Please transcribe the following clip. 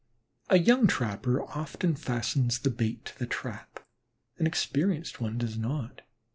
A young trapper often fastens the bait on the trap; an experienced one does not.